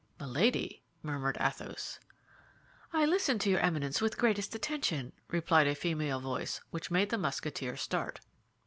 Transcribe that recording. "Milady!" murmured Athos. "I listen to your Eminence with greatest attention," replied a female voice which made the Musketeer start.